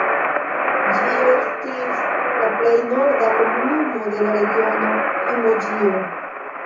Ĝi estas la plej norda komunumo de la regiono Limoĝio.